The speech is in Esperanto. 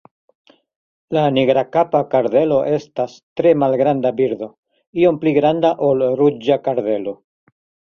La Nigrakapa kardelo estas tre malgranda birdo, iom pli granda ol la Ruĝa kardelo.